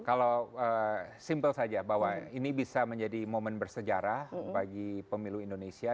kalau simpel saja bahwa ini bisa menjadi momen bersejarah bagi pemilu indonesia